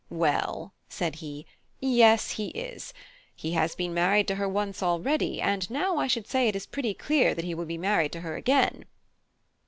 "Well," said he, "yes, he is. He has been married to her once already, and now I should say it is pretty clear that he will be married to her again."